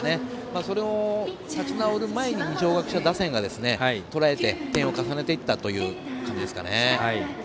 それを立ち直る前に二松学舎打線が点を重ねていったという感じですかね。